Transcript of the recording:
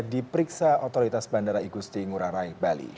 diperiksa otoritas bandara igusti ngurah rai bali